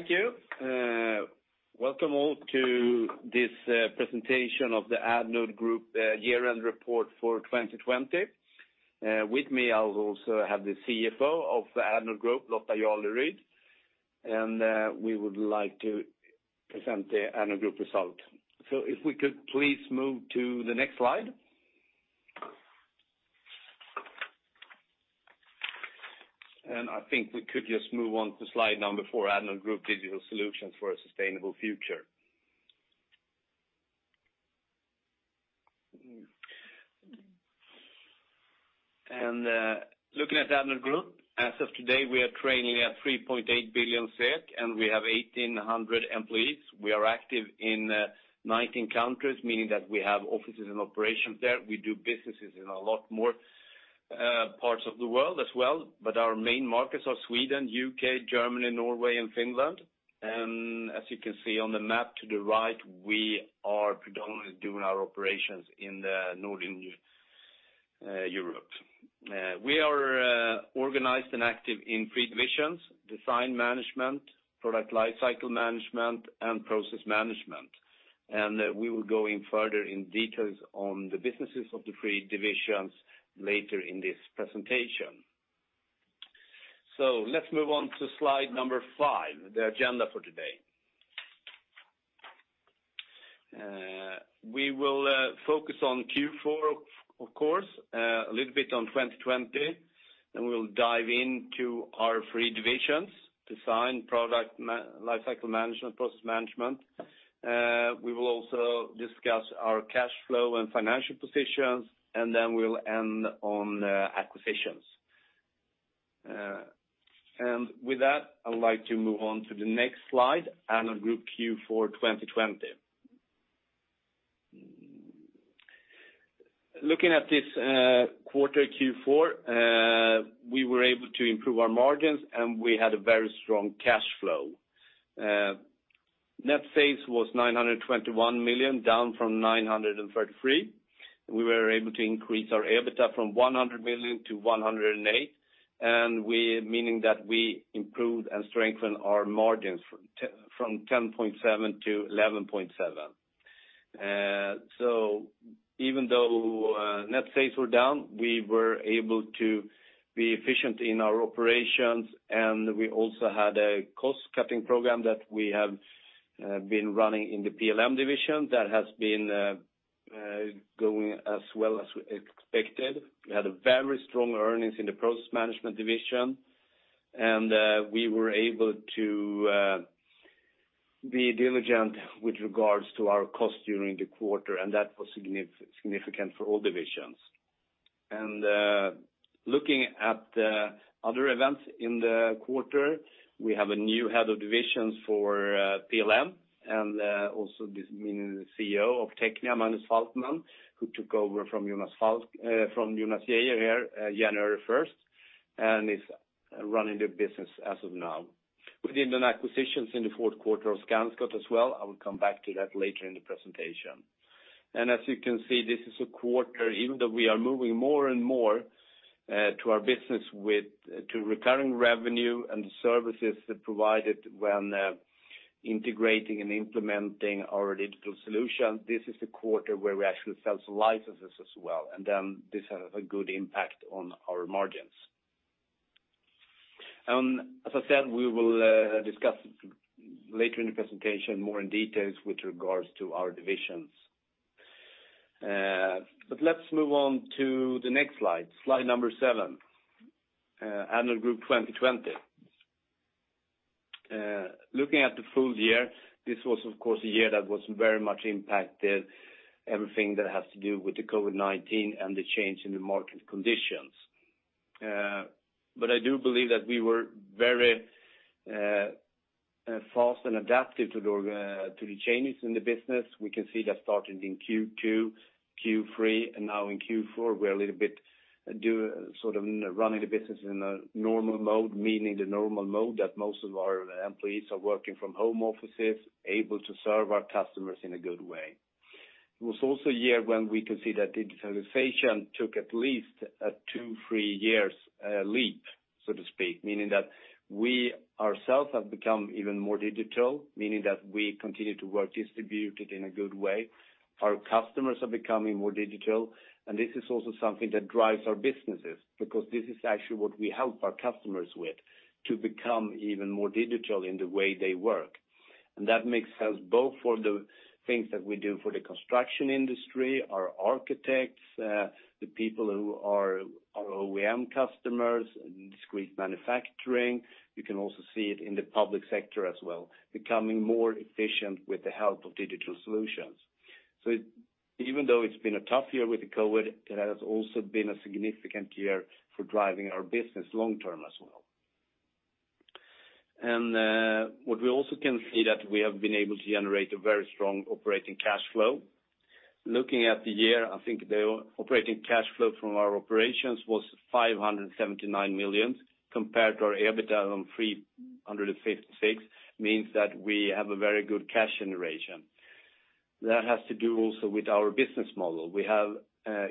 Thank you. Welcome all to this presentation of the Addnode Group year-end report for 2020. With me, I also have the CFO of the Addnode Group, Lotta Jarleryd. We would like to present the Addnode Group result. If we could please move to the next slide. I think we could just move on to slide number four, Addnode Group, digital solutions for a sustainable future. Looking at Addnode Group, as of today, we are trading at 3.8 billion SEK, and we have 1,800 employees. We are active in 19 countries, meaning that we have offices and operations there. We do businesses in a lot more parts of the world as well, but our main markets are Sweden, U.K., Germany, Norway, and Finland. As you can see on the map to the right, we are predominantly doing our operations in the Northern Europe. We are organized and active in three divisions: Design Management, Product Lifecycle Management, and Process Management. We will go in further in details on the businesses of the three divisions later in this presentation. Let's move on to slide number five, the agenda for today. We will focus on Q4, of course, a little bit on 2020, then we'll dive into our three divisions, Design, Product Lifecycle Management, Process Management. We will also discuss our cash flow and financial positions, and then we'll end on acquisitions. With that, I would like to move on to the next slide, Addnode Group Q4 2020. Looking at this quarter, Q4, we were able to improve our margins, and we had a very strong cash flow. Net sales was 921 million, down from 933 million. We were able to increase our EBITDA from 100 million to 108 million, meaning that we improved and strengthened our margins from 10.7% to 11.7%. Even though net sales were down, we were able to be efficient in our operations, and we also had a cost-cutting program that we have been running in the PLM division that has been going as well as we expected. We had a very strong earnings in the Process Management division, and we were able to be diligent with regards to our cost during the quarter, and that was significant for all divisions. Looking at other events in the quarter, we have a new head of divisions for PLM, and also this meaning the CEO of Technia, Magnus Falkman, who took over from Jonas Gejer January 1st, and is running the business as of now. We did an acquisitions in the fourth quarter of Scanscot as well. I will come back to that later in the presentation. As you can see, this is a quarter, even though we are moving more and more to our business to recurring revenue and the services provided when integrating and implementing our digital solution, this is the quarter where we actually sell some licenses as well, then this has a good impact on our margins. As I said, we will discuss later in the presentation more in details with regards to our divisions. Let's move on to the next slide number seven, Addnode Group 2020. Looking at the full year, this was, of course, a year that was very much impacted, everything that has to do with the COVID-19 and the change in the market conditions. I do believe that we were very fast and adaptive to the changes in the business. We can see that started in Q2, Q3, and now in Q4, we're a little bit sort of running the business in a normal mode, meaning the normal mode that most of our employees are working from home offices, able to serve our customers in a good way. It was also a year when we could see that digitalization took at least a two, three years leap, so to speak, meaning that we ourselves have become even more digital, meaning that we continue to work distributed in a good way. Our customers are becoming more digital. This is also something that drives our businesses because this is actually what we help our customers with, to become even more digital in the way they work. That makes sense both for the things that we do for the construction industry, our architects, the people who are our OEM customers, discrete manufacturing. You can also see it in the public sector as well, becoming more efficient with the help of digital solutions. Even though it's been a tough year with the COVID, it has also been a significant year for driving our business long-term as well. What we also can see that we have been able to generate a very strong operating cash flow. Looking at the year, I think the operating cash flow from our operations was 579 million compared to our EBITDA on 356 million, means that we have a very good cash generation. That has to do also with our business model. We have,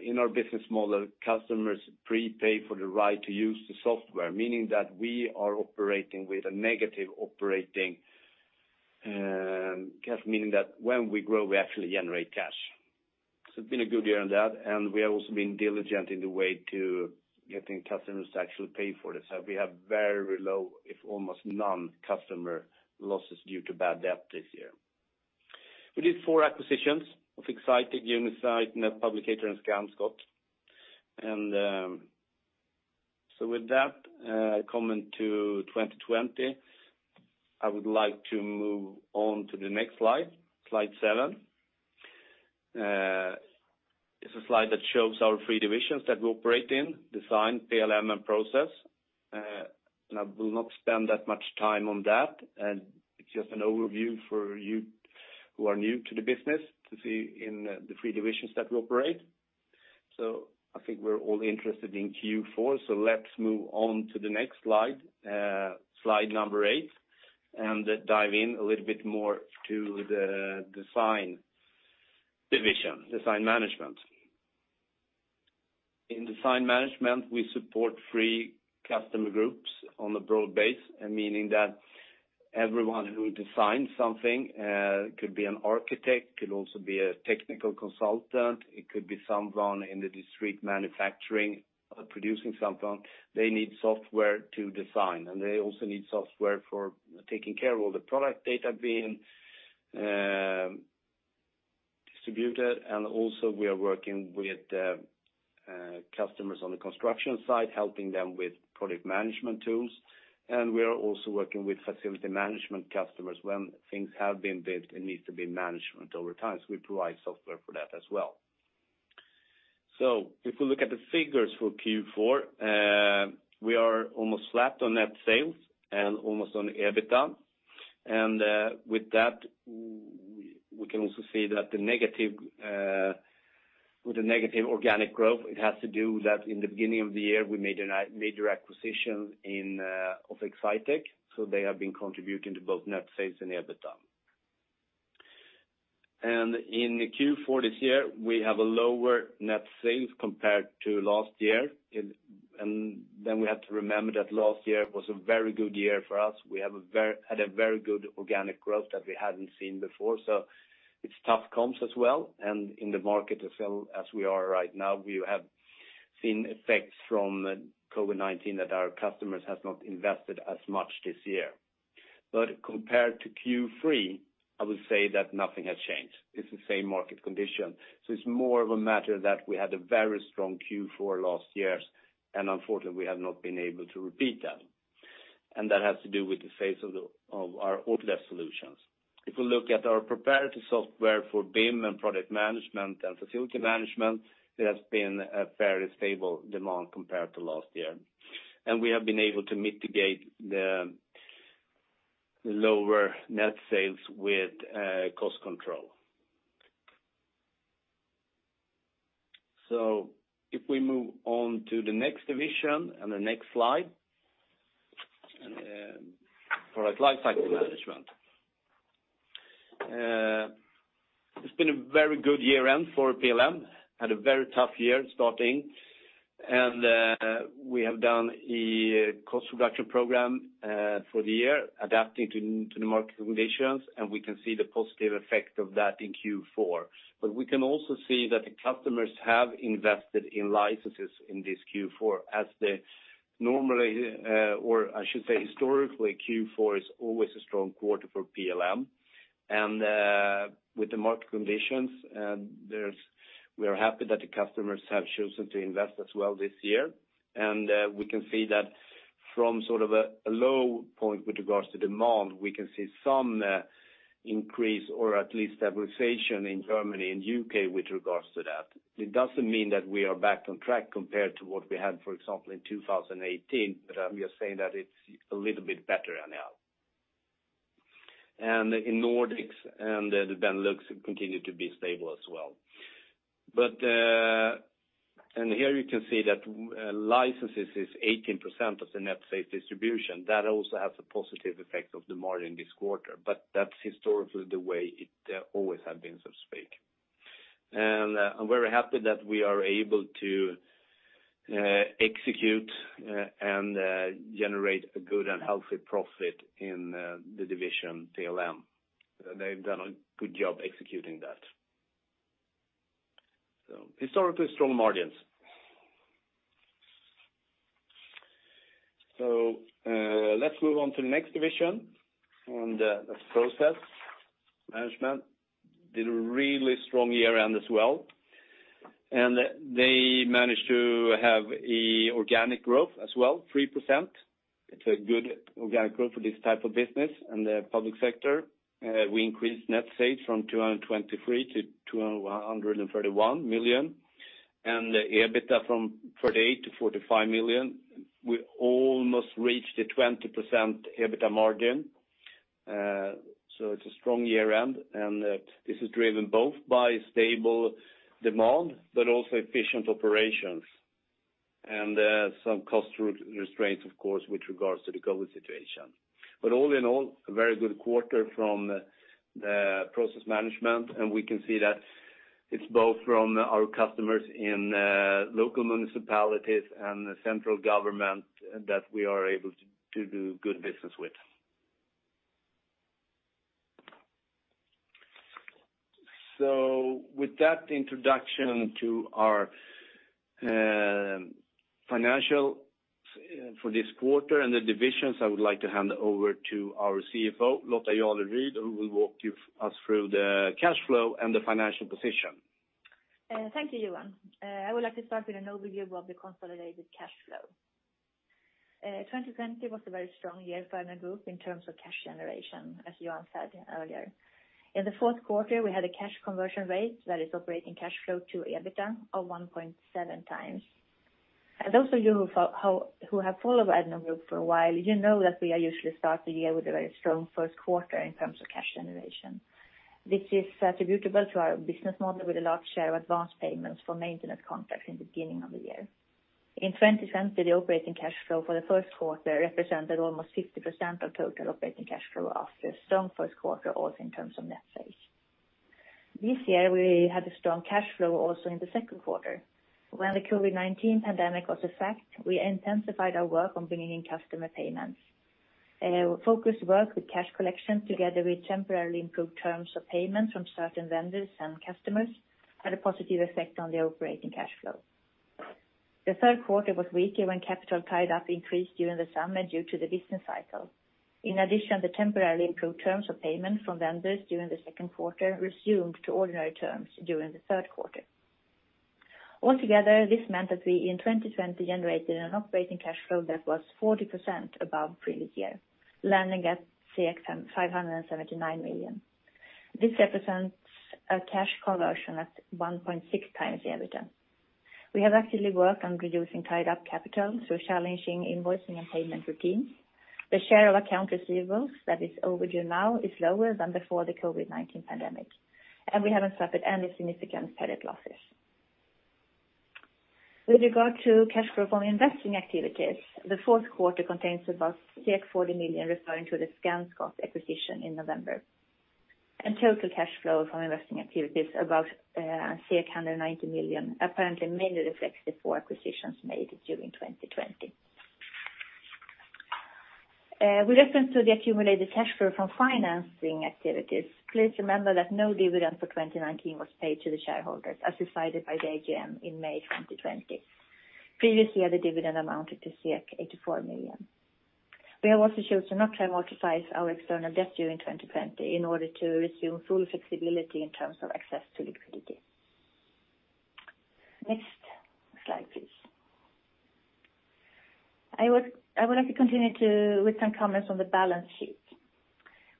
in our business model, customers prepay for the right to use the software, meaning that we are operating with a negative operating cash, meaning that when we grow, we actually generate cash. It's been a good year on that, and we have also been diligent in the way to getting customers to actually pay for this. We have very low, if almost none, customer losses due to bad debt this year. We did four acquisitions of Excitech, Unizite, Netpublicator, and Scanscot. With that comment to 2020, I would like to move on to the next slide seven. It's a slide that shows our three divisions that we operate in, Design, PLM, and Process. I will not spend that much time on that. It's just an overview for you who are new to the business to see in the three divisions that we operate. I think we're all interested in Q4, so let's move on to the next slide number eight, and dive in a little bit more to the Design division, Design Management. In Design Management, we support three customer groups on a broad base, and meaning that everyone who designs something, could be an architect, could also be a technical consultant, it could be someone in the discrete manufacturing producing something. They need software to design, and they also need software for taking care of all the product data being distributed. Also we are working with customers on the construction side, helping them with product management tools. We are also working with facility management customers when things have been built and needs to be managed over time. We provide software for that as well. If we look at the figures for Q4, we are almost flat on net sales and almost on EBITDA. With that, we can also see that with the negative organic growth, it has to do that in the beginning of the year, we made a major acquisition of Excitech, so they have been contributing to both net sales and EBITDA. In Q4 this year, we have a lower net sales compared to last year. We have to remember that last year was a very good year for us. We had a very good organic growth that we hadn't seen before, so it's tough comps as well. In the market as we are right now, we have seen effects from COVID-19 that our customers have not invested as much this year. Compared to Q3, I would say that nothing has changed. It's the same market condition. It's more of a matter that we had a very strong Q4 last year, and unfortunately, we have not been able to repeat that. That has to do with the sales of our Autodesk solutions. If you look at our proprietary software for BIM and product management and facility management, there has been a very stable demand compared to last year. If we move on to the next division and the next slide, Product Lifecycle Management. It's been a very good year end for PLM. Had a very tough year starting, and we have done a cost reduction program for the year, adapting to the market conditions, and we can see the positive effect of that in Q4. We can also see that the customers have invested in licenses in this Q4 as the normally, or I should say historically, Q4 is always a strong quarter for PLM. With the market conditions, we are happy that the customers have chosen to invest as well this year. We can see that from a low point with regards to demand, we can see some increase or at least stabilization in Germany and U.K. with regards to that. It doesn't mean that we are back on track compared to what we had, for example, in 2018, but we are saying that it's a little bit better now. In Nordics and the Benelux continue to be stable as well. Here you can see that licenses is 18% of the net sales distribution. That also has a positive effect of the margin this quarter, but that's historically the way it always have been, so to speak. I'm very happy that we are able to execute and generate a good and healthy profit in the division PLM. They've done a good job executing that. Historically strong margins. Let's move on to the next division, and that's Process Management. Did a really strong year end as well, and they managed to have organic growth as well, 3%. It's a good organic growth for this type of business. The public sector, we increased net sales from 223 million to 231 million and EBITDA from 38 million to 45 million. We almost reached a 20% EBITDA margin. It's a strong year end, and this is driven both by stable demand but also efficient operations and some cost restraints, of course, with regards to the COVID situation. All in all, a very good quarter from the Process Management, and we can see that it's both from our customers in local municipalities and the central government that we are able to do good business with. With that introduction to our financials for this quarter and the divisions, I would like to hand over to our CFO, Lotta Jarleryd, who will walk us through the cash flow and the financial position. Thank you, Johan. I would like to start with an overview of the consolidated cash flow. 2020 was a very strong year for the group in terms of cash generation, as Johan said earlier. In the fourth quarter, we had a cash conversion rate that is operating cash flow to EBITDA of 1.7 times. Those of you who have followed Addnode Group for a while, you know that we are usually start the year with a very strong first quarter in terms of cash generation. This is attributable to our business model with a large share of advanced payments for maintenance contracts in the beginning of the year. In 2020, the operating cash flow for the first quarter represented almost 50% of total operating cash flow after a strong first quarter, also in terms of net sales. This year, we had a strong cash flow also in the second quarter. When the COVID-19 pandemic was a fact, we intensified our work on bringing in customer payments. Our focused work with cash collection together with temporarily improved terms of payment from certain vendors and customers had a positive effect on the operating cash flow. The third quarter was weaker when capital tied up increased during the summer due to the business cycle. In addition, the temporarily improved terms of payment from vendors during the second quarter resumed to ordinary terms during the third quarter. Altogether, this meant that we in 2020 generated an operating cash flow that was 40% above previous year, landing at 579 million. This represents a cash conversion at 1.6 times the EBITDA. We have actively worked on reducing tied-up capital through challenging invoicing and payment routines. The share of account receivables that is overdue now is lower than before the COVID-19 pandemic, and we haven't suffered any significant credit losses. With regard to cash flow from investing activities, the fourth quarter contains about 40 million referring to the Scanscot acquisition in November. Total cash flow from investing activities above 190 million apparently mainly reflects the four acquisitions made during 2020. With reference to the accumulated cash flow from financing activities, please remember that no dividend for 2019 was paid to the shareholders, as decided by the AGM in May 2020. Previous year, the dividend amounted to 84 million. We have also chosen not to amortize our external debt during 2020 in order to resume full flexibility in terms of access to liquidity. Next slide, please. I would like to continue with some comments on the balance sheet.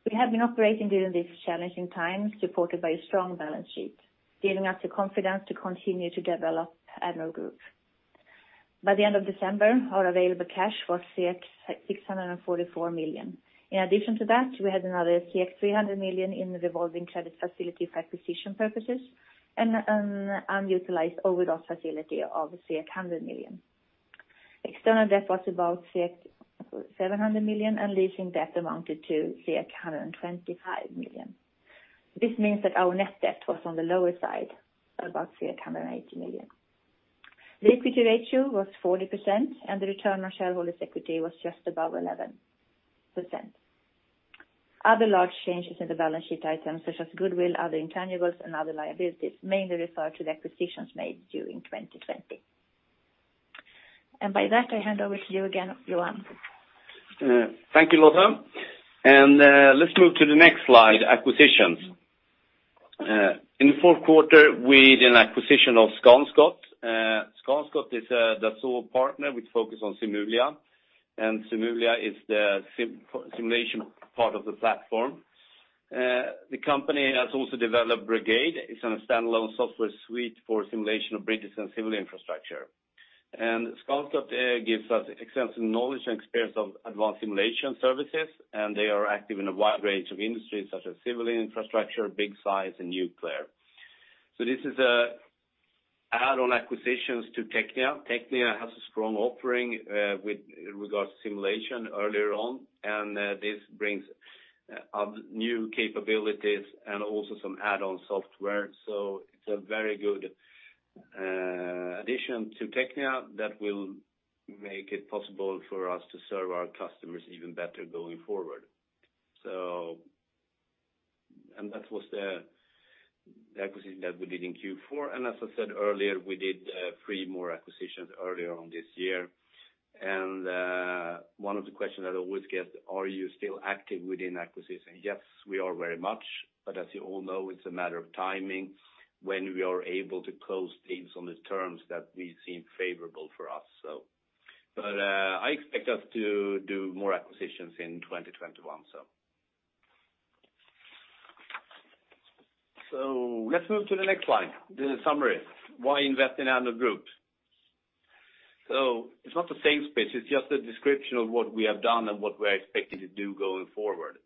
We have been operating during these challenging times supported by a strong balance sheet, giving us the confidence to continue to develop Addnode Group. By the end of December, our available cash was 644 million. In addition to that, we had another 300 million in the revolving credit facility for acquisition purposes and an unutilized overdraft facility of 100 million. External debt was about 700 million, and leasing debt amounted to 125 million. This means that our net debt was on the lower side, at about 380 million. Liquidity ratio was 40%, and the return on shareholders' equity was just above 11%. Other large changes in the balance sheet items such as goodwill, other intangibles, and other liabilities mainly refer to the acquisitions made during 2020. By that, I hand over to you again, Johan. Thank you, Lotta. Let's move to the next slide, acquisitions. In the fourth quarter, we did an acquisition of Scanscot. Scanscot is a Dassault partner with focus on SIMULIA, and SIMULIA is the simulation part of the platform. The company has also developed BRIGADE. It's a standalone software suite for simulation of bridges and civil infrastructure. Scanscot gives us extensive knowledge and experience of advanced simulation services, and they are active in a wide range of industries such as civil infrastructure, big size, and nuclear. This is an add-on acquisition to TECHNIA. TECHNIA has a strong offering with regards to simulation earlier on, and this brings new capabilities and also some add-on software. It's a very good addition to TECHNIA that will make it possible for us to serve our customers even better going forward. That was the acquisition that we did in Q4, and as I said earlier, we did three more acquisitions earlier on this year. One of the questions I always get, are you still active within acquisition? Yes, we are very much, but as you all know, it's a matter of timing when we are able to close deals on the terms that we seem favorable for us. I expect us to do more acquisitions in 2021. Let's move to the next slide. This is summary. Why invest in Addnode Group? It's not a sales pitch, it's just a description of what we have done and what we are expecting to do going forward.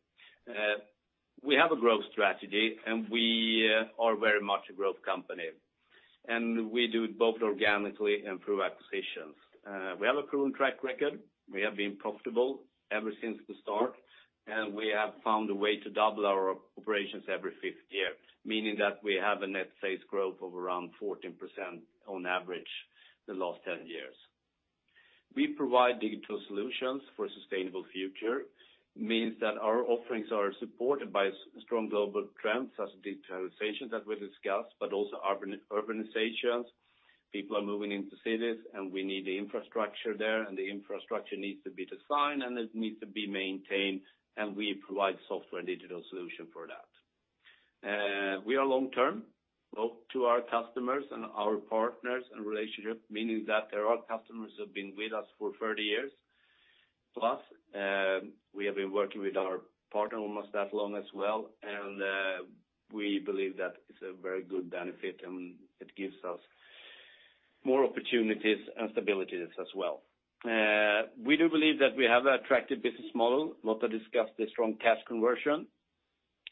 We have a growth strategy, and we are very much a growth company. We do it both organically and through acquisitions. We have a proven track record. We have been profitable ever since the start. We have found a way to double our operations every fifth year, meaning that we have a net sales growth of around 14% on average the last 10 years. We provide digital solutions for a sustainable future, means that our offerings are supported by strong global trends such as digitalization that we discussed, but also urbanization. People are moving into cities. We need the infrastructure there, the infrastructure needs to be designed, it needs to be maintained, we provide software digital solution for that. We are long-term, both to our customers and our partners and relationship, meaning that there are customers who have been with us for 30+ years. We have been working with our partner almost that long as well. We believe that it's a very good benefit, and it gives us more opportunities and stability as well. We do believe that we have an attractive business model. Lotta discussed the strong cash conversion.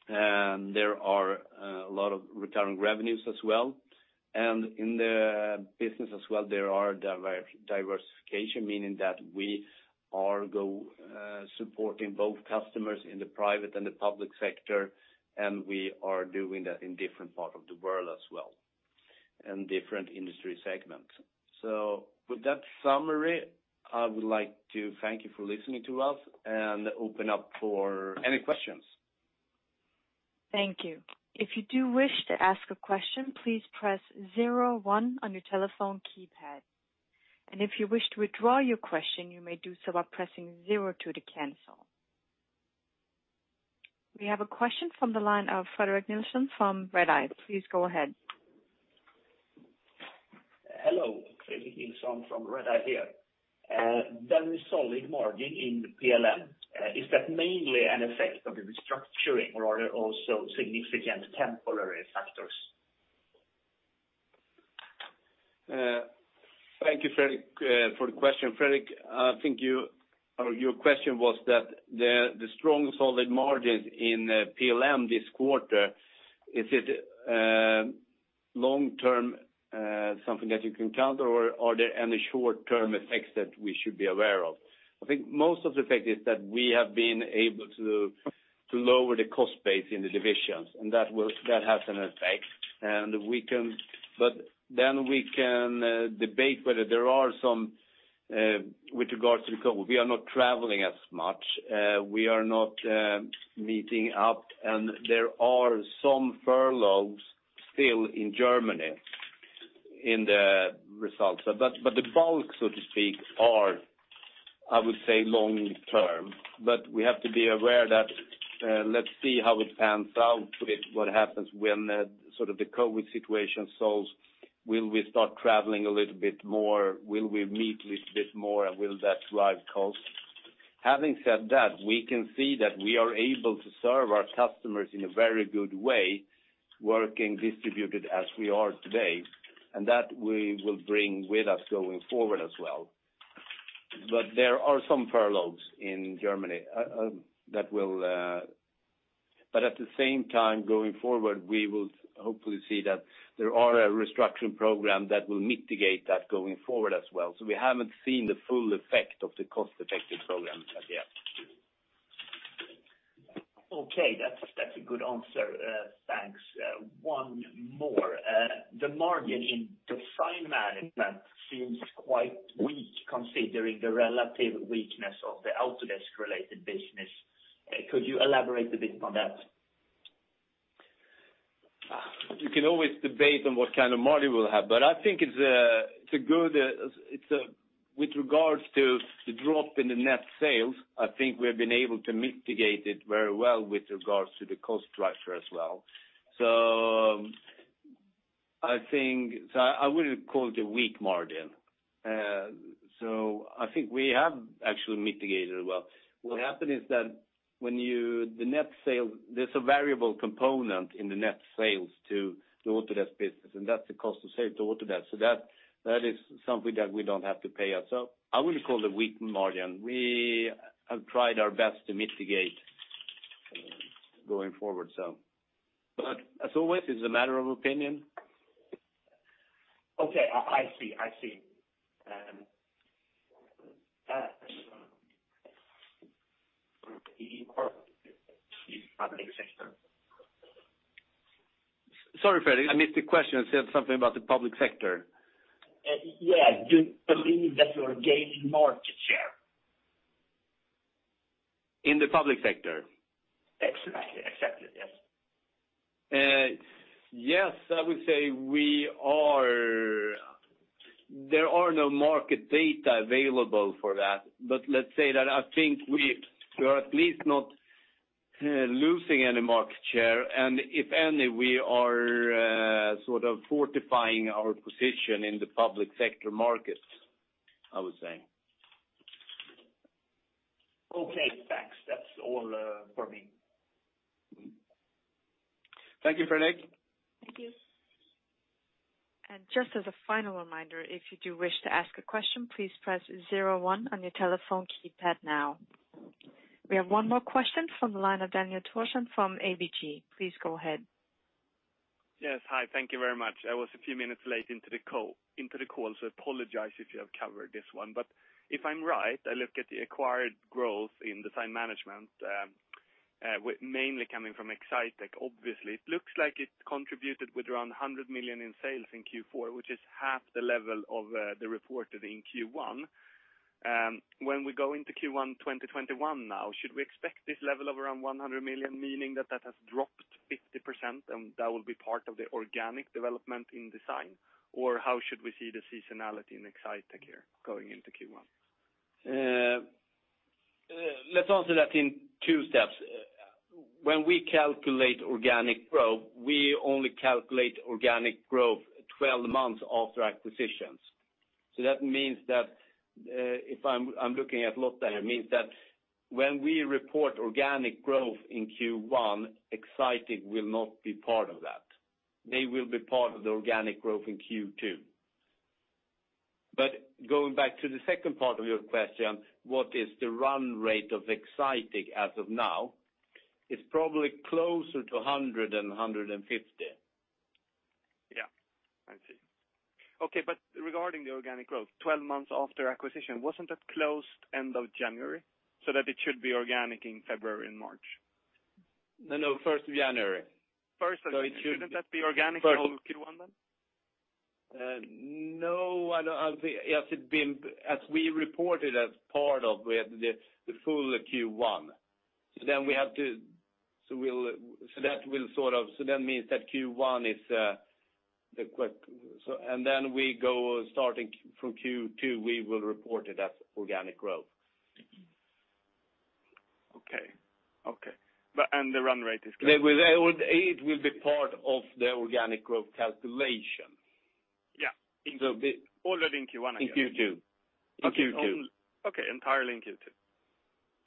There are a lot of recurring revenues as well. In the business as well, there are diversification, meaning that we are supporting both customers in the private and the public sector, and we are doing that in different part of the world as well, and different industry segments. With that summary, I would like to thank you for listening to us and open up for any questions. Thank you. If you do wish to ask a question, please press 01 on your telephone keypad. If you wish to withdraw your question, you may do so by pressing 02 to cancel. We have a question from the line of Fredrik Nilsson from Redeye. Please go ahead. Hello. Fredrik Nilsson from Redeye here. Very solid margin in the PLM. Is that mainly an effect of the restructuring, or are there also significant temporary factors? Thank you, Fredrik, for the question. Fredrik, I think your question was that the strong, solid margins in PLM this quarter, is it long-term, something that you can count? Are there any short-term effects that we should be aware of? I think most of the effect is that we have been able to lower the cost base in the divisions. That has an effect. We can debate whether there are some, with regards to COVID. We are not traveling as much. We are not meeting up. There are some furloughs still in Germany in the results. The bulk, so to speak, are, I would say, long-term. We have to be aware that let's see how it pans out with what happens when the COVID situation solves. Will we start traveling a little bit more? Will we meet a little bit more, and will that drive costs? Having said that, we can see that we are able to serve our customers in a very good way, working distributed as we are today, and that we will bring with us going forward as well. There are some furloughs in Germany. At the same time, going forward, we will hopefully see that there are a restructuring program that will mitigate that going forward as well. We haven't seen the full effect of the cost-effective programs as yet. Okay. That's a good answer. Thanks. One more. The margin in Design Management seems quite weak, considering the relative weakness of the Autodesk-related business. Could you elaborate a bit on that? You can always debate on what kind of margin we'll have, but I think with regards to the drop in the net sales, I think we have been able to mitigate it very well with regards to the cost structure as well. I wouldn't call it a weak margin. I think we have actually mitigated it well. What happened is that there's a variable component in the net sales to the Autodesk business, and that's the cost of sale to Autodesk. That is something that we don't have to pay ourself. I wouldn't call it a weak margin. We have tried our best to mitigate going forward. As always, it's a matter of opinion. Okay, I see. Public sector. Sorry, Fredrik. I missed the question. You said something about the public sector. Yeah. Do you believe that you're gaining market share? In the public sector? Exactly. Yes. Yes, I would say there are no market data available for that. Let's say that I think we are at least not losing any market share, and if any, we are sort of fortifying our position in the public sector market, I would say. Okay, thanks. That's all for me. Thank you, Fredrik. Thank you. Just as a final reminder, if you do wish to ask a question, please press zero one on your telephone keypad now. We have one more question from the line of Daniel Thorsson from ABG. Please go ahead. Yes, hi. Thank you very much. I was a few minutes late into the call, so apologize if you have covered this one. If I'm right, I look at the acquired growth in Design Management, mainly coming from Excitech, obviously. It looks like it contributed with around 100 million in sales in Q4, which is half the level of the reported in Q1. When we go into Q1 2021 now, should we expect this level of around 100 million, meaning that has dropped 50% and that will be part of the organic development in Design? How should we see the seasonality in Excitech here, going into Q1? Let's answer that in two steps. When we calculate organic growth, we only calculate organic growth 12 months after acquisitions. That means that, I'm looking at Lotta here, when we report organic growth in Q1, Excitech will not be part of that. They will be part of the organic growth in Q2. Going back to the second part of your question, what is the run rate of Excitech as of now? It's probably closer to 100 million and 150 million. Yeah. I see. Regarding the organic growth, 12 months after acquisition, wasn't that closed end of January, so that it should be organic in February and March? No, no, 1st of January. 1st of January. So it shouldn't- Shouldn't that be organic for all of Q1 then? as we reported as part of the full Q1. That means that Q1 is the quick-- and then we go starting from Q2, we will report it as organic growth. Okay. The run rate is good? It will be part of the organic growth calculation. Yeah. So the- Already in Q1. In Q2. Okay. Entirely in Q2.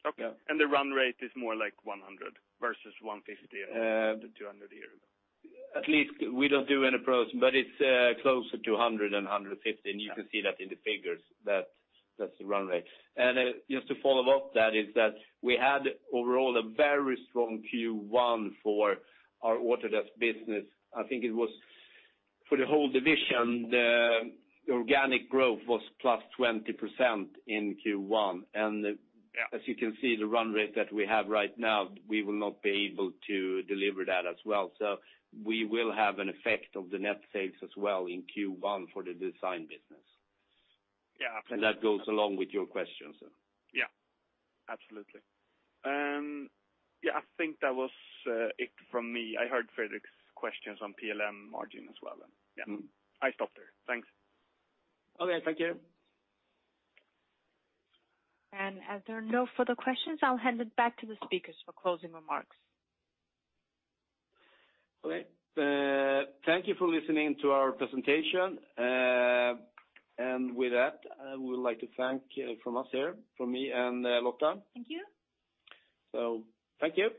Okay. Yeah. The run rate is more like 100 million versus 150 million or 200 million a year ago. At least we don't do any pro forma, but it's closer to 100 million and 150 million, and you can see that in the figures. That's the run rate. Just to follow up that is that we had overall a very strong Q1 for our Autodesk business. I think it was for the whole division, the organic growth was +20% in Q1. Yeah as you can see, the run rate that we have right now, we will not be able to deliver that as well. We will have an effect of the net sales as well in Q1 for the Design business. Yeah. That goes along with your questions then. Absolutely. I think that was it from me. I heard Fredrik's questions on PLM margin as well. I stop there. Thanks. Okay. Thank you. As there are no further questions, I'll hand it back to the speakers for closing remarks. Okay. Thank you for listening to our presentation. With that, I would like to thank from us here, from me and Lotta. Thank you. Thank you.